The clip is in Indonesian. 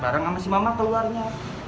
barang apa sih mama keluarnya